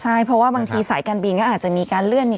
ใช่เพราะว่าบางทีสายการบินก็อาจจะมีการเลื่อนเนี่ย